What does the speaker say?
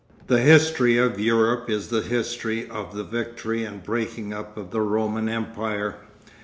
The history of Europe is the history of the victory and breaking up of the Roman Empire.